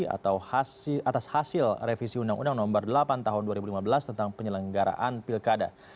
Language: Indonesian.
atau atas hasil revisi undang undang nomor delapan tahun dua ribu lima belas tentang penyelenggaraan pilkada